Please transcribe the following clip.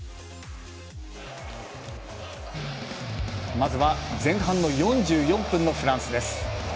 まずは前半の４４分のフランスです。